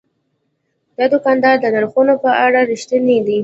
دا دوکاندار د نرخونو په اړه رښتینی دی.